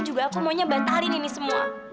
juga aku maunya batalin ini semua